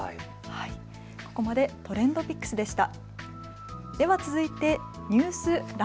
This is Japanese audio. ここまでＴｒｅｎｄＰｉｃｋｓでした。